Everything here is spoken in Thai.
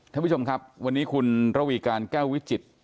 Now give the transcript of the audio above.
ท่านผู้ชมครับวันนี้คุณระวีการแก้ววิจิตร